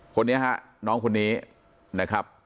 คนนี้ฮะน้องคนนี้นะครับ